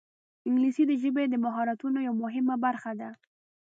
انګلیسي د ژبې د مهارتونو یوه مهمه برخه ده